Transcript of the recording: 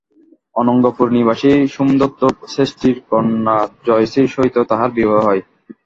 অনঙ্গপুর নিবাসী সোমদত্ত শ্রেষ্ঠীর কন্যা জয়শ্রীর সহিত তাহার বিবাহ হয়।